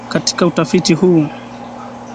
katika utafiti huu